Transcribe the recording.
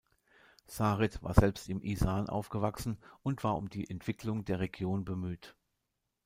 Sarit war selbst im Isan aufgewachsen und war um die Entwicklung der Region bemüht.